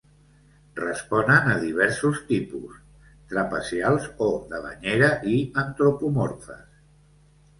Responen a diversos tipus: trapezials o de banyera i antropomorfes.